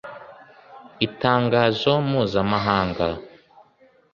itangazo mpuzamahanga